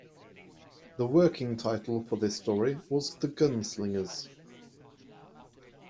The working title for this story was "The Gunslingers".